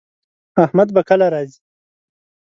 احمد به کله راځي